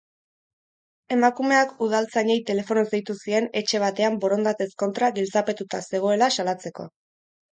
Emakumeak udaltzainei telefonoz deitu zien etxe batean borondatez kontra giltzapetuta zegoela salatzeko.